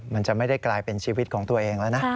มันจะไม่ได้กลายเป็นชีวิตของตัวเองแล้วนะ